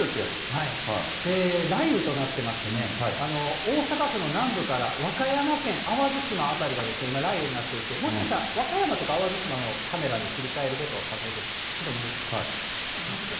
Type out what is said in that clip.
雷雨となってましてね、大阪府の南部から和歌山県、淡路島辺りが今、雷雨になっていて、もしかしたら和歌山とか淡路島のカメラに切り替えることは可能で難しい。